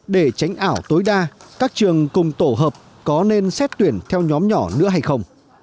để tránh ảo tối đa các trường cùng tổ hợp có nên xét tuyển theo nhóm nhỏ nữa hay không